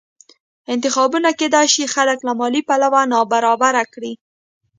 انتخابونه کېدای شي خلک له مالي پلوه نابرابره کړي